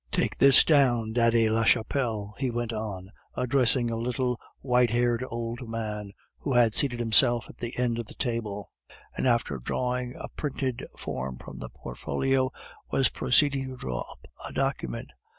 "Take this down, Daddy Lachapelle," he went on, addressing a little, white haired old man who had seated himself at the end of the table; and after drawing a printed form from the portfolio, was proceeding to draw up a document.